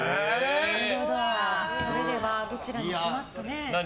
それではどれにしますか。